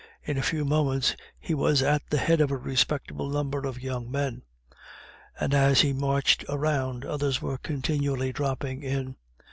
In a few moments he was at the head of a respectable number of young men; and, as he marched around, others were continually dropping in.